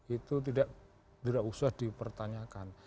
itu tidak usah dipertanyakan